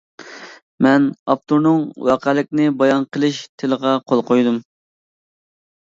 مەن ئاپتورنىڭ ۋەقەلىكنى بايان قىلىش تىلىغا قول قويدۇم.